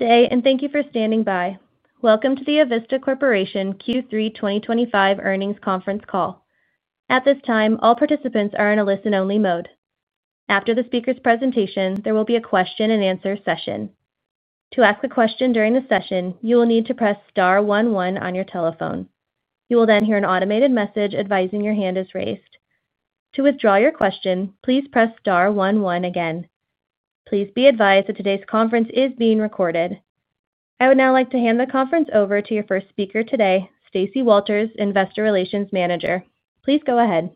Good day, and thank you for standing by. Welcome to the Avista Corporation Q3 2025 earnings conference call. At this time, all participants are in a listen-only mode. After the speaker's presentation, there will be a question-and-answer session. To ask a question during the session, you will need to press star one one on your telephone. You will then hear an automated message advising your hand is raised. To withdraw your question, please press star one one again. Please be advised that today's conference is being recorded. I would now like to hand the conference over to your first speaker today, Stacey Walters, Investor Relations Manager. Please go ahead.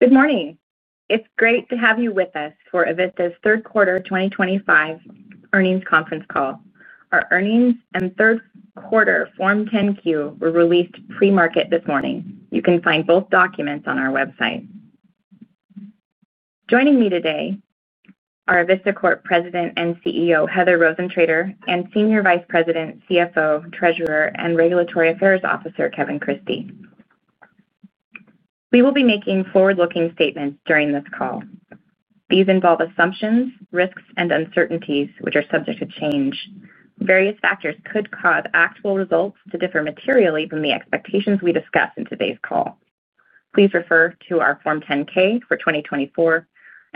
Good morning. It's great to have you with us for Avista's third quarter 2025 earnings conference call. Our earnings and third quarter Form 10-Q were released pre-market this morning. You can find both documents on our website. Joining me today are Avista Corporation President and CEO Heather Rosentrater and Senior Vice President, CFO, Treasurer, and Regulatory Affairs Officer Kevin Christie. We will be making forward-looking statements during this call. These involve assumptions, risks, and uncertainties, which are subject to change. Various factors could cause actual results to differ materially from the expectations we discuss in today's call. Please refer to our Form 10-K for 2024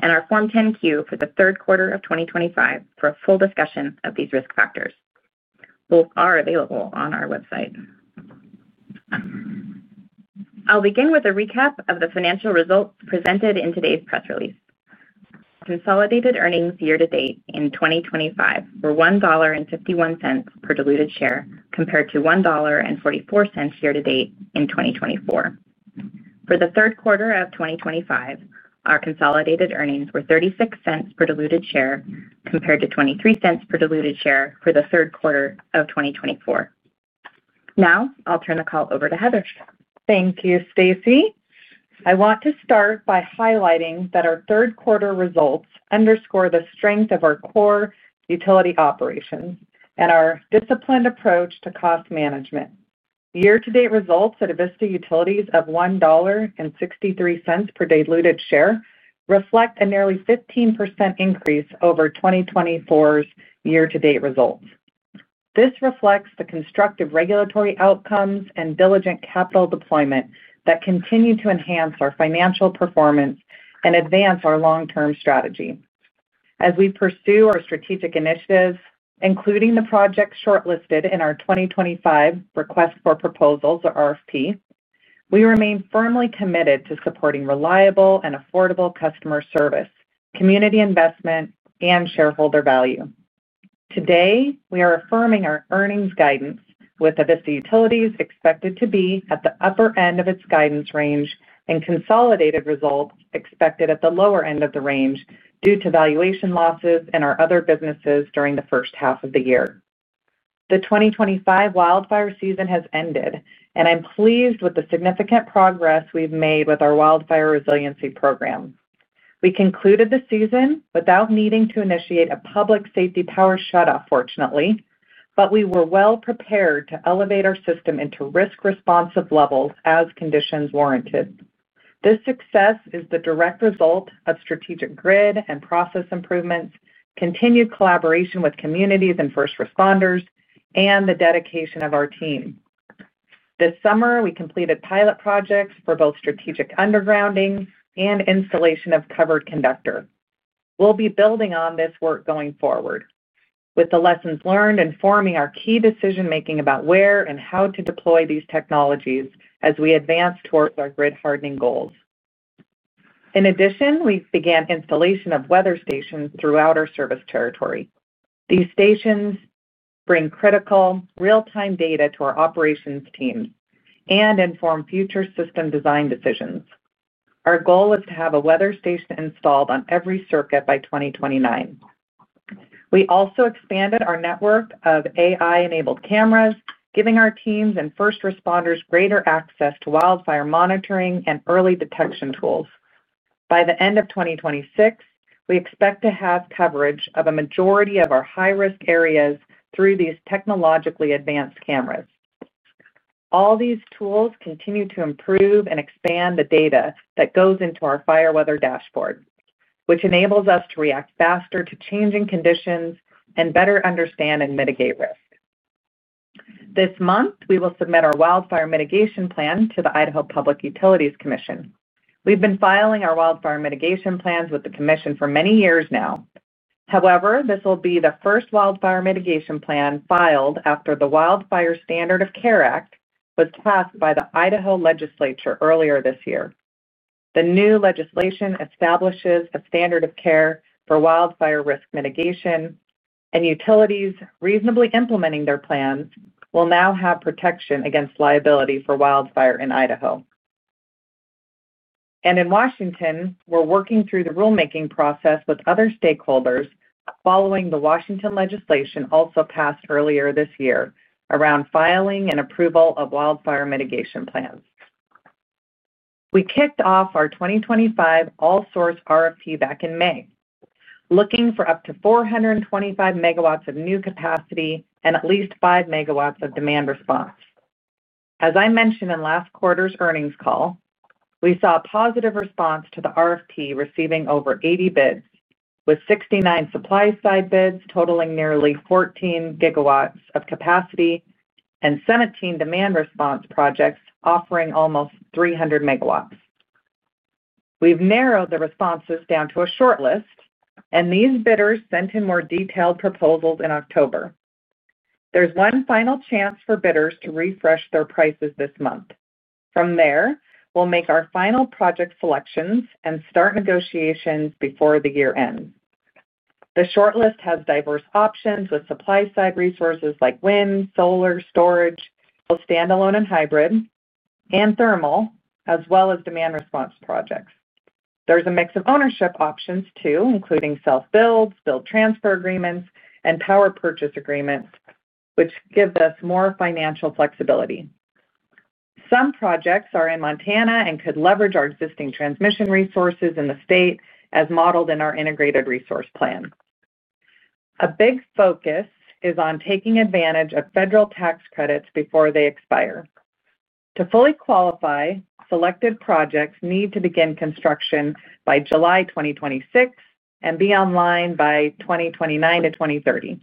and our Form 10-Q for the third quarter of 2025 for a full discussion of these risk factors. Both are available on our website. I'll begin with a recap of the financial results presented in today's press release. Consolidated earnings year-to-date in 2025 were $1.51 per diluted share compared to $1.44 year-to-date in 2024. For the third quarter of 2025, our consolidated earnings were $0.36 per diluted share compared to $0.23 per diluted share for the third quarter of 2024. Now, I'll turn the call over to Heather. Thank you, Stacey. I want to start by highlighting that our third quarter results underscore the strength of our core utility operations and our disciplined approach to cost management. Year-to-date results at Avista Utilities of $1.63 per diluted share reflect a nearly 15% increase over 2024's year-to-date results. This reflects the constructive regulatory outcomes and diligent capital deployment that continue to enhance our financial performance and advance our long-term strategy. As we pursue our strategic initiatives, including the project shortlisted in our 2025 Request for Proposals, or RFP, we remain firmly committed to supporting reliable and affordable customer service, community investment, and shareholder value. Today, we are affirming our earnings guidance with Avista Utilities expected to be at the upper end of its guidance range and consolidated results expected at the lower end of the range due to valuation losses in our other businesses during the first half of the year. The 2025 wildfire season has ended, and I'm pleased with the significant progress we've made with our wildfire resiliency program. We concluded the season without needing to initiate a public safety power shutoff, fortunately, but we were well prepared to elevate our system into risk-responsive levels as conditions warranted. This success is the direct result of strategic grid and process improvements, continued collaboration with communities and first responders, and the dedication of our team. This summer, we completed pilot projects for both strategic undergrounding and installation of covered conductor. We'll be building on this work going forward, with the lessons learned informing our key decision-making about where and how to deploy these technologies as we advance towards our grid-hardening goals. In addition, we began installation of weather stations throughout our service territory. These stations bring critical real-time data to our operations teams and inform future system design decisions. Our goal is to have a weather station installed on every circuit by 2029. We also expanded our network of AI-enabled cameras, giving our teams and first responders greater access to wildfire monitoring and early detection tools. By the end of 2026, we expect to have coverage of a majority of our high-risk areas through these technologically advanced cameras. All these tools continue to improve and expand the data that goes into our fire weather dashboard, which enables us to react faster to changing conditions and better understand and mitigate risk. This month, we will submit our wildfire mitigation plan to the Idaho Public Utilities Commission. We've been filing our wildfire mitigation plans with the Commission for many years now. However, this will be the first wildfire mitigation plan filed after the Wildfire Standard of Care Act was passed by the Idaho Legislature earlier this year. The new legislation establishes a standard of care for wildfire risk mitigation, and utilities reasonably implementing their plans will now have protection against liability for wildfire in Idaho. In Washington, we're working through the rulemaking process with other stakeholders following the Washington legislation also passed earlier this year around filing and approval of wildfire mitigation plans. We kicked off our 2025 all-source RFP back in May, looking for up to 425 MW of new capacity and at least 5 MW of demand response. As I mentioned in last quarter's earnings call, we saw a positive response to the RFP receiving over 80 bids, with 69 supply-side bids totaling nearly 14 GW of capacity and 17 demand response projects offering almost 300 MW. We've narrowed the responses down to a shortlist, and these bidders sent in more detailed proposals in October. There's one final chance for bidders to refresh their prices this month. From there, we'll make our final project selections and start negotiations before the year ends. The shortlist has diverse options with supply-side resources like wind, solar, storage, both standalone and hybrid, and thermal, as well as demand response projects. There's a mix of ownership options too, including self-builds, build-transfer agreements, and power purchase agreements, which give us more financial flexibility. Some projects are in Montana and could leverage our existing transmission resources in the state as modeled in our integrated resource plan. A big focus is on taking advantage of federal tax credits before they expire. To fully qualify, selected projects need to begin construction by July 2026 and be online by 2029 to 2030.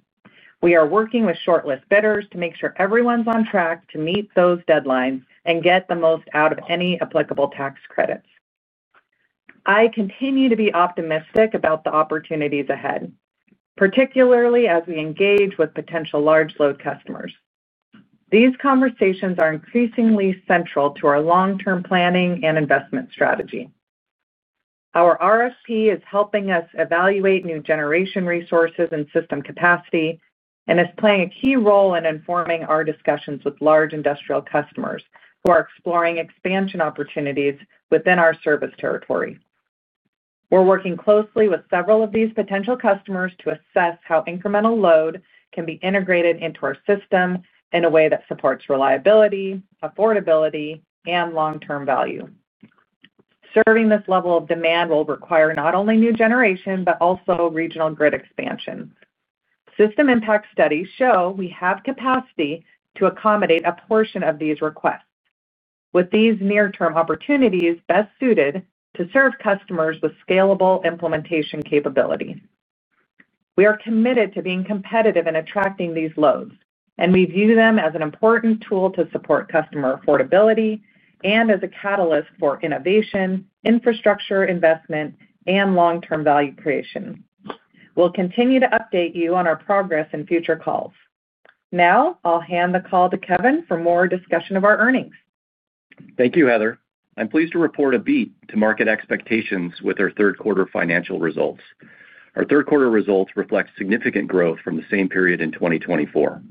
We are working with shortlist bidders to make sure everyone's on track to meet those deadlines and get the most out of any applicable tax credits. I continue to be optimistic about the opportunities ahead, particularly as we engage with potential large load customers. These conversations are increasingly central to our long-term planning and investment strategy. Our RFP is helping us evaluate new generation resources and system capacity and is playing a key role in informing our discussions with large industrial customers who are exploring expansion opportunities within our service territory. We're working closely with several of these potential customers to assess how incremental load can be integrated into our system in a way that supports reliability, affordability, and long-term value. Serving this level of demand will require not only new generation but also regional grid expansion. System impact studies show we have capacity to accommodate a portion of these requests, with these near-term opportunities best suited to serve customers with scalable implementation capability. We are committed to being competitive in attracting these loads, and we view them as an important tool to support customer affordability and as a catalyst for innovation, infrastructure investment, and long-term value creation. We'll continue to update you on our progress in future calls. Now, I'll hand the call to Kevin for more discussion of our earnings. Thank you, Heather. I'm pleased to report a beat to market expectations with our third quarter financial results. Our third quarter results reflect significant growth from the same period in 2024.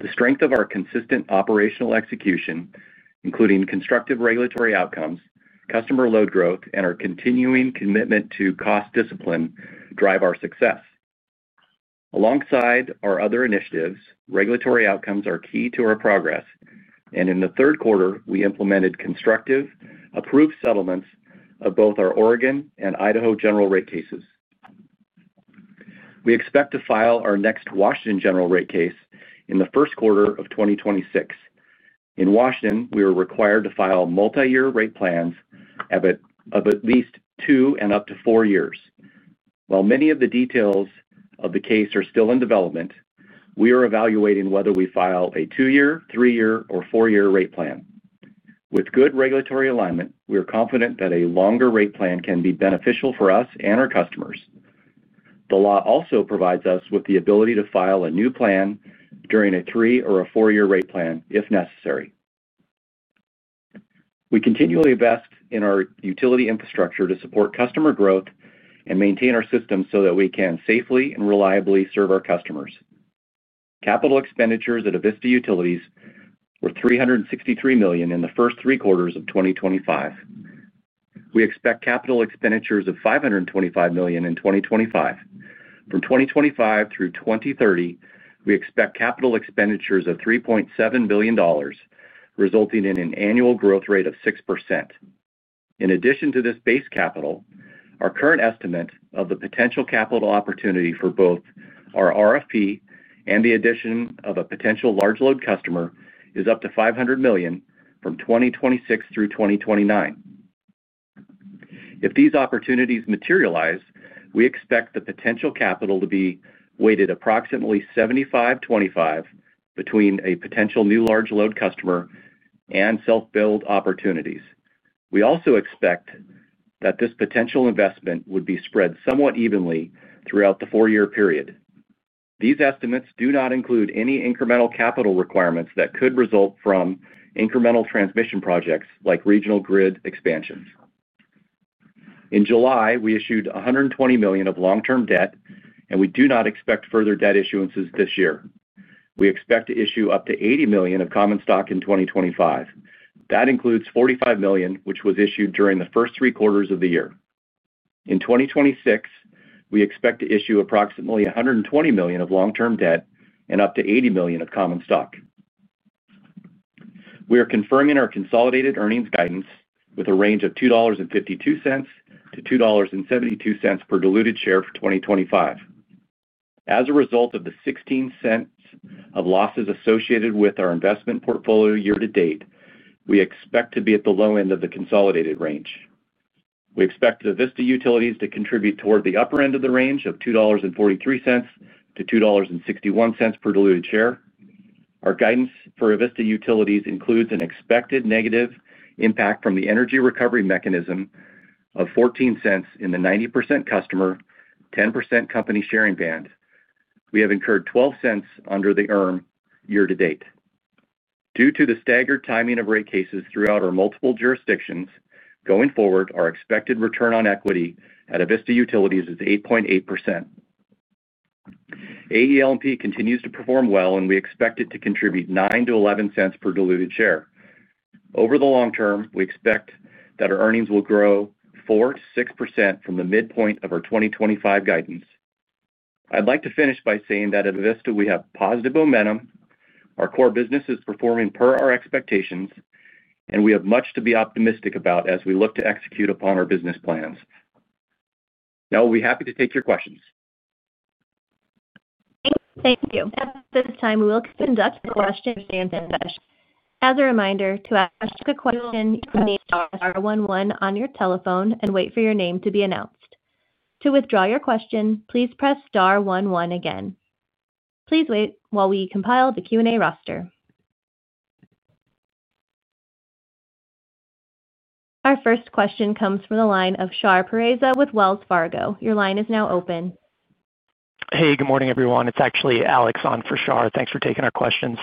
The strength of our consistent operational execution, including constructive regulatory outcomes, customer load growth, and our continuing commitment to cost discipline, drive our success. Alongside our other initiatives, regulatory outcomes are key to our progress, and in the third quarter, we implemented constructive approved settlements of both our Oregon and Idaho general rate cases. We expect to file our next Washington general rate case in the first quarter of 2026. In Washington, we were required to file multi-year rate plans of at least two and up to four years. While many of the details of the case are still in development, we are evaluating whether we file a two-year, three-year, or four-year rate plan. With good regulatory alignment, we are confident that a longer rate plan can be beneficial for us and our customers. The law also provides us with the ability to file a new plan during a three or a four-year rate plan if necessary. We continually invest in our utility infrastructure to support customer growth and maintain our system so that we can safely and reliably serve our customers. Capital expenditures at Avista Utilities were $363 million in the first three quarters of 2025. We expect capital expenditures of $525 million in 2025. From 2025 through 2030, we expect capital expenditures of $3.7 billion, resulting in an annual growth rate of 6%. In addition to this base capital, our current estimate of the potential capital opportunity for both our RFP and the addition of a potential large load customer is up to $500 million from 2026 through 2029. If these opportunities materialize, we expect the potential capital to be weighted approximately 75/25 between a potential new large load customer and self-build opportunities. We also expect that this potential investment would be spread somewhat evenly throughout the four-year period. These estimates do not include any incremental capital requirements that could result from incremental transmission projects like regional grid expansions. In July, we issued $120 million of long-term debt, and we do not expect further debt issuances this year. We expect to issue up to $80 million of common stock in 2025. That includes $45 million, which was issued during the first three quarters of the year. In 2026, we expect to issue approximately $120 million of long-term debt and up to $80 million of common stock. We are confirming our consolidated earnings guidance with a range of $2.52-$2.72 per diluted share for 2025. As a result of the $0.16 of losses associated with our investment portfolio year-to-date, we expect to be at the low end of the consolidated range. We expect Avista Utilities to contribute toward the upper end of the range of $2.43-$2.61 per diluted share. Our guidance for Avista Utilities includes an expected negative impact from the energy recovery mechanism of $0.14 in the 90% customer, 10% company sharing band. We have incurred $0.12 under the year-to-date. Due to the staggered timing of rate cases throughout our multiple jurisdictions, going forward, our expected return on equity at Avista Utilities is 8.8%. AELMP continues to perform well, and we expect it to contribute $0.09-$0.11 per diluted share. Over the long term, we expect that our earnings will grow 4%-6% from the midpoint of our 2025 guidance. I'd like to finish by saying that at Avista, we have positive momentum. Our core business is performing per our expectations, and we have much to be optimistic about as we look to execute upon our business plans. Now, we'll be happy to take your questions. Thank you. At this time, we will conduct the question-and-answer session. As a reminder, to ask a question, you may dial star one one on your telephone and wait for your name to be announced. To withdraw your question, please press star one one again. Please wait while we compile the Q&A roster. Our first question comes from the line of Shar Pourreza with Wells Fargo. Your line is now open. Hey, good morning, everyone. It's actually Alex on for Shar. Thanks for taking our questions.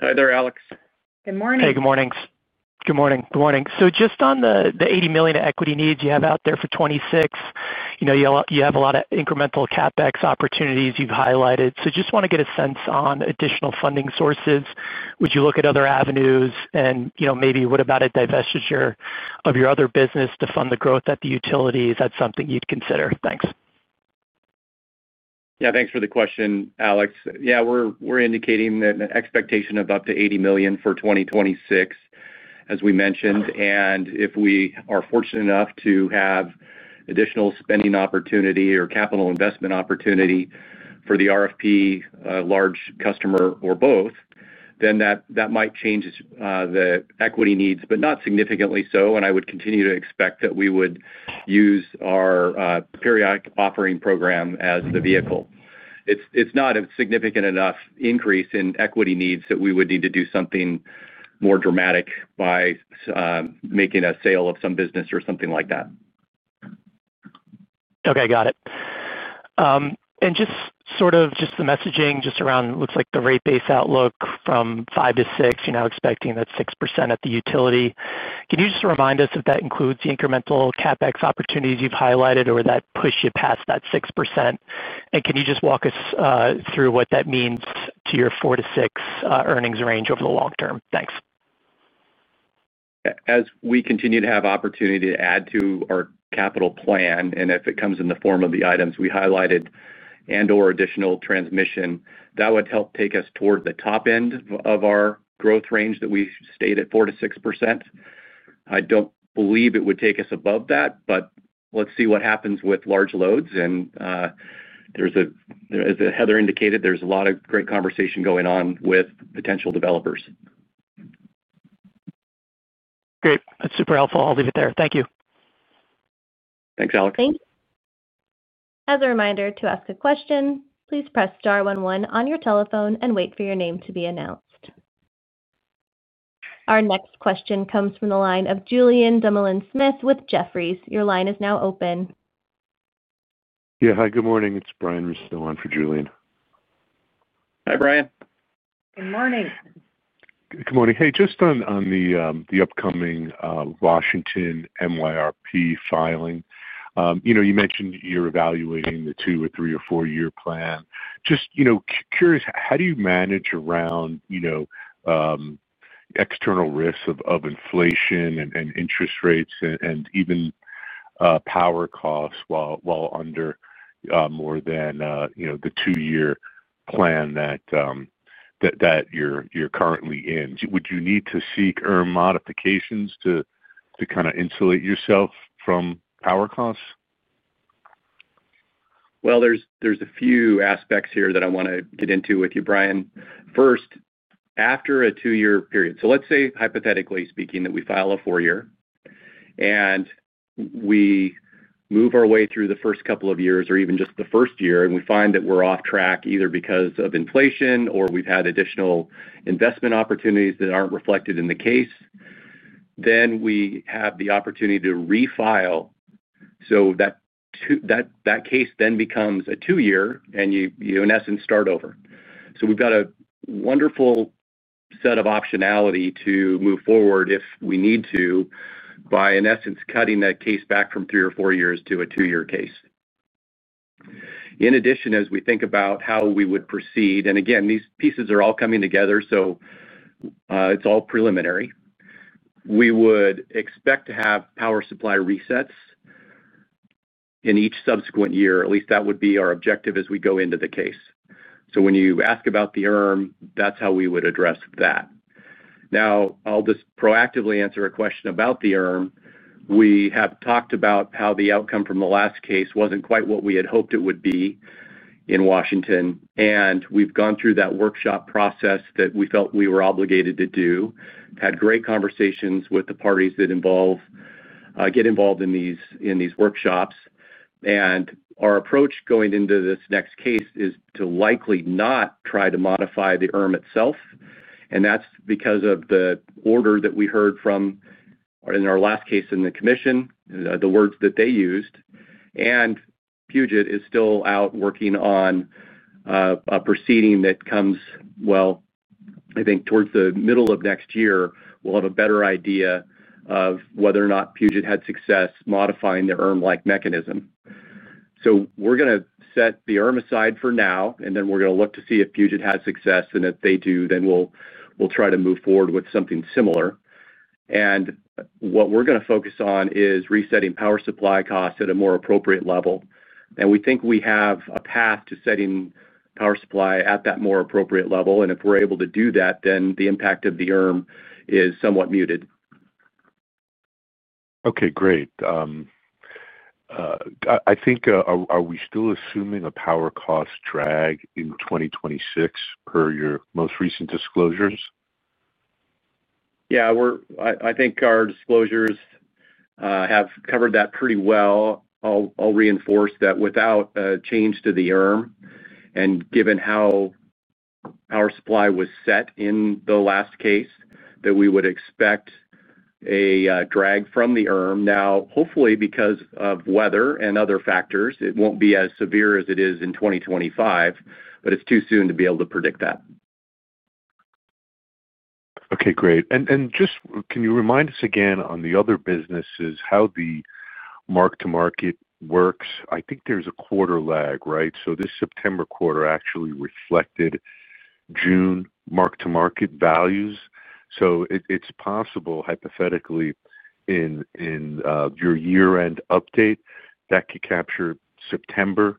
Hi there, Alex. Good morning. Hey, good morning. Good morning. Just on the $80 million equity needs you have out there for 2026, you have a lot of incremental CapEx opportunities you've highlighted. Just want to get a sense on additional funding sources. Would you look at other avenues and maybe what about a divestiture of your other business to fund the growth at the utilities? That's something you'd consider. Thanks. Yeah, thanks for the question, Alex. Yeah, we're indicating an expectation of up to $80 million for 2026, as we mentioned. If we are fortunate enough to have additional spending opportunity or capital investment opportunity for the RFP, large customer, or both, then that might change the equity needs, but not significantly so. I would continue to expect that we would use our periodic offering program as the vehicle. It's not a significant enough increase in equity needs that we would need to do something more dramatic by making a sale of some business or something like that. Okay, got it. Just sort of the messaging just around looks like the rate-based outlook from 5% to 6%, you're now expecting that 6% at the utility. Can you just remind us if that includes the incremental CapEx opportunities you've highlighted or that push you past that 6%? Can you just walk us through what that means to your 4%-6% earnings range over the long term? Thanks. As we continue to have opportunity to add to our capital plan, and if it comes in the form of the items we highlighted and/or additional transmission, that would help take us toward the top end of our growth range that we stated at 4%-6%. I do not believe it would take us above that, but let's see what happens with large loads. As Heather indicated, there is a lot of great conversation going on with potential developers. Great. That's super helpful. I'll leave it there. Thank you. Thanks, Alex. Thank you. As a reminder to ask a question, please press star one one on your telephone and wait for your name to be announced. Our next question comes from the line of Julian Demillion-Smith with Jefferies. Your line is now open. Yeah, hi, good morning. It's Brian Roussillon for Julian. Hi, Brian. Good morning. Good morning. Hey, just on the upcoming Washington MYRP filing, you mentioned you're evaluating the two or three or four-year plan. Just curious, how do you manage around external risks of inflation and interest rates and even power costs while under more than the two-year plan that you're currently in? Would you need to seek modifications to kind of insulate yourself from power costs? There are a few aspects here that I want to get into with you, Brian. First, after a two-year period, so let's say hypothetically speaking that we file a four-year. We move our way through the first couple of years or even just the first year, and we find that we're off track either because of inflation or we've had additional investment opportunities that aren't reflected in the case. Then we have the opportunity to refile. That case then becomes a two-year, and you, in essence, start over. We've got a wonderful set of optionality to move forward if we need to by, in essence, cutting that case back from three or four years to a two-year case. In addition, as we think about how we would proceed, and again, these pieces are all coming together. It's all preliminary, we would expect to have power supply resets in each subsequent year. At least that would be our objective as we go into the case. When you ask about the, that's how we would address that. Now, I'll just proactively answer a question about the, we have talked about how the outcome from the last case wasn't quite what we had hoped it would be in Washington, and we've gone through that workshop process that we felt we were obligated to do, had great conversations with the parties that get involved in these workshops. Our approach going into this next case is to likely not try to modify the itself. That's because of the order that we heard from in our last case in the commission, the words that they used. Puget is still out working on. A proceeding that comes, I think towards the middle of next year, we'll have a better idea of whether or not Puget had success modifying their ERM-like mechanism. We're going to set that aside for now, and then we're going to look to see if Puget has success. If they do, then we'll try to move forward with something similar. What we're going to focus on is resetting power supply costs at a more appropriate level. We think we have a path to setting power supply at that more appropriate level. If we're able to do that, then the impact of the ERM is somewhat muted. Okay, great. I think, are we still assuming a power cost drag in 2026 per your most recent disclosures? Yeah, I think our disclosures have covered that pretty well. I'll reinforce that without a change to the, and given how power supply was set in the last case, that we would expect a drag from the. Now, hopefully, because of weather and other factors, it won't be as severe as it is in 2025, but it's too soon to be able to predict that. Okay, great. Can you remind us again on the other businesses how the mark-to-market works? I think there's a quarter lag, right? This September quarter actually reflected June mark-to-market values. It's possible, hypothetically, in your year-end update that could capture September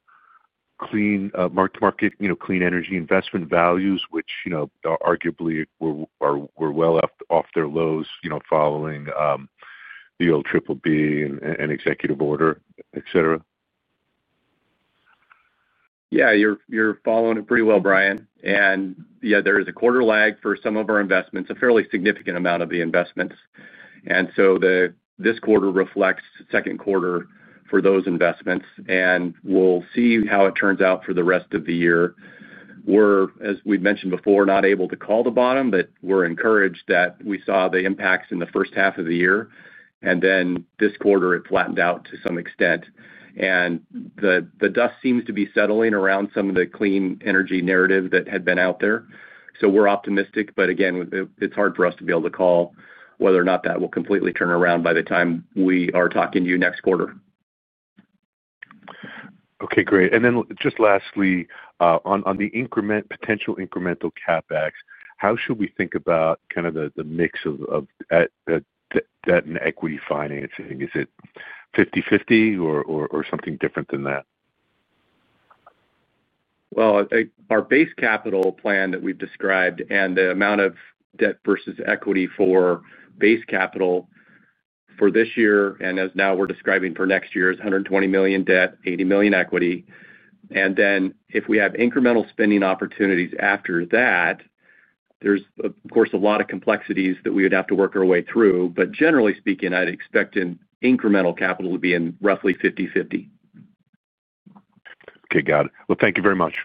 mark-to-market, clean energy investment values, which arguably were well off their lows following the old BBB and executive order, etc.? Yeah, you're following it pretty well, Brian. Yeah, there is a quarter lag for some of our investments, a fairly significant amount of the investments. This quarter reflects the second quarter for those investments. We'll see how it turns out for the rest of the year. We're, as we mentioned before, not able to call the bottom, but we're encouraged that we saw the impacts in the first half of the year. This quarter, it flattened out to some extent. The dust seems to be settling around some of the clean energy narrative that had been out there. We're optimistic, but again, it's hard for us to be able to call whether or not that will completely turn around by the time we are talking to you next quarter. Okay, great. And then just lastly, on the potential incremental CapEx, how should we think about kind of the mix of debt and equity financing? Is it 50/50 or something different than that? Our base capital plan that we've described and the amount of debt versus equity for base capital for this year and as now we're describing for next year is $120 million debt, $80 million equity. If we have incremental spending opportunities after that, there's, of course, a lot of complexities that we would have to work our way through. Generally speaking, I'd expect incremental capital to be in roughly 50/50. Okay, got it. Thank you very much.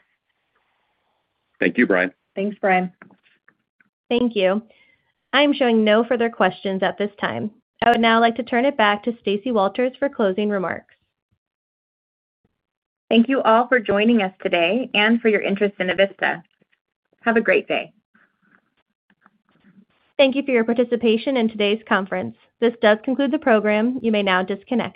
Thank you, Brian. Thanks, Brian. Thank you. I am showing no further questions at this time. I would now like to turn it back to Stacey Walters for closing remarks. Thank you all for joining us today and for your interest in Avista. Have a great day. Thank you for your participation in today's conference. This does conclude the program. You may now disconnect.